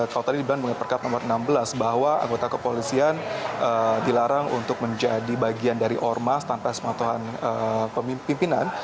kalau tadi dibilang mengenai perkap nomor enam belas bahwa anggota kepolisian dilarang untuk menjadi bagian dari ormas tanpa semataan pemimpinan